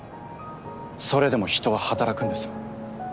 それでも人は働くんです。